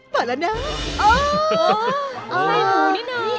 เปิดแล้วนะ